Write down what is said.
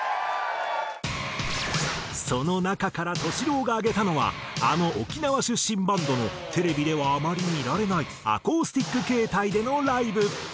その中からＴＯＳＨＩ−ＬＯＷが挙げたのはあの沖縄出身バンドのテレビではあまり見られないアコースティック形態でのライブ。